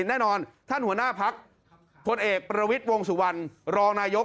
แน่นอนท่านหัวหน้าพักพลเอกประวิทย์วงสุวรรณรองนายก